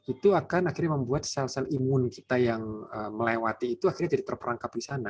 itu akan akhirnya membuat sel sel imun kita yang melewati itu akhirnya jadi terperangkap di sana